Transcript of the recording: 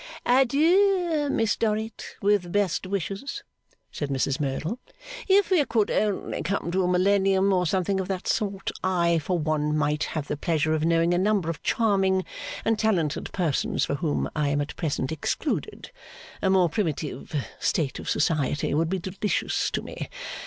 'Adieu, Miss Dorrit, with best wishes,' said Mrs Merdle. 'If we could only come to a Millennium, or something of that sort, I for one might have the pleasure of knowing a number of charming and talented persons from whom I am at present excluded. A more primitive state of society would be delicious to me.